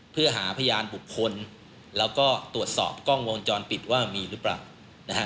เพื่อหาพยานบุคคลแล้วก็ตรวจสอบกล้องวงจรปิดว่ามีหรือเปล่านะฮะ